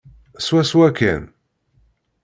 Swaswa kan.